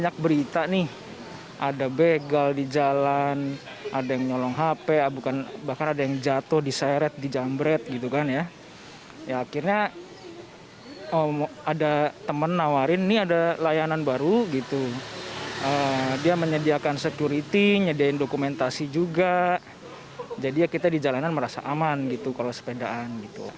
kita harus memiliki keamanan menyediakan dokumentasi juga jadi kita di jalanan merasa aman kalau sepedaan